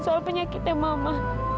soal penyakitnya mama